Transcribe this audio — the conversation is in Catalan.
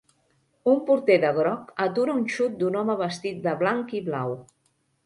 Un porter de groc atura un xut d'un home vestit de blanc i blau.